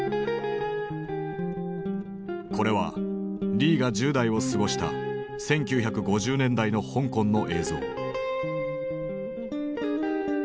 これはリーが１０代を過ごした１９５０年代の香港の映像。